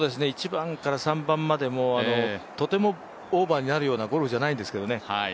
１番から３番までも、とてもオーバーになるようなゴルフじゃないんですけどね。